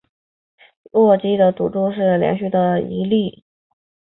洛基的赌注是连续体谬误的一例。